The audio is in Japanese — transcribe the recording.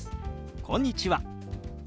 「こんにちは」。